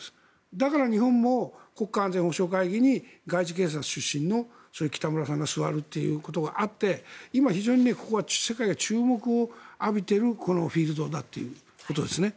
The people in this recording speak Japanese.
だから日本も国家安全保障会議に外事警察出身の北村さんが座るということがあって今、非常にここは世界から注目を浴びているフィールドだということですね。